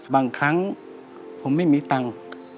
บางครั้งผมไม่มีตังค์